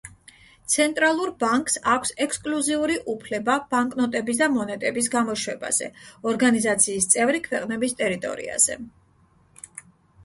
ცენტრალურ ბანკს აქვს ექსკლუზიური უფლება ბანკნოტების და მონეტების გამოშვებაზე ორგანიზაციის წევრი ქვეყნების ტერიტორიაზე.